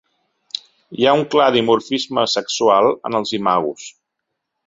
Hi ha un clar dimorfisme sexual en els imagos.